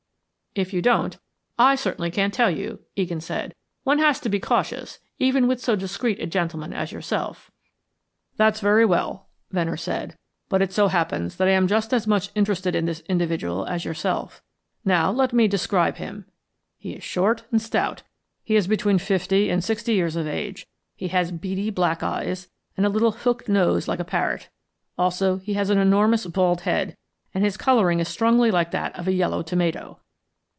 "If you don't, I certainly can't tell you," Egan said. "One has to be cautious, even with so discreet a gentleman as yourself." "That's very well," Venner said. "But it so happens that I am just as much interested in this individual as yourself. Now let me describe him. He is short and stout, he is between fifty and sixty years of age, he has beady black eyes, and a little hooked nose like a parrot. Also, he has an enormous bald head, and his coloring is strongly like that of a yellow tomato.